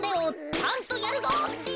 ちゃんとやるぞって。